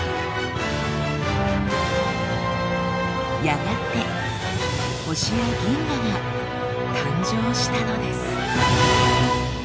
やがて星や銀河が誕生したのです。